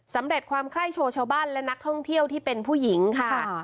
สำเร็จความไคร้โชว์ชาวบ้านและนักท่องเที่ยวที่เป็นผู้หญิงค่ะ